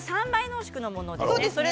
３倍濃縮の麺つゆですね。